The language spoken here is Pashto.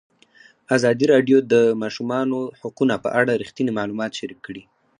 ازادي راډیو د د ماشومانو حقونه په اړه رښتیني معلومات شریک کړي.